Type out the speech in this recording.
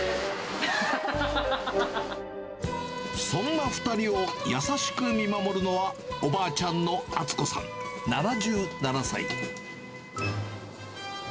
そんな２人を優しく見守るのは、おばあちゃんの篤子さん７７歳。